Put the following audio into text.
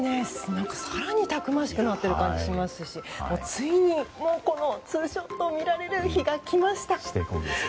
更にたくましくなっている感じがしますしついに、このツーショットを見られる日が来ました。